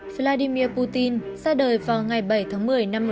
vladimir putin ra đời vào ngày bảy tháng một mươi năm một nghìn chín trăm năm mươi hai